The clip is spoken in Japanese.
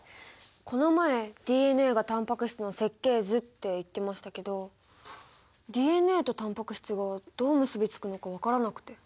この前ＤＮＡがタンパク質の設計図って言ってましたけどＤＮＡとタンパク質がどう結び付くのか分からなくて。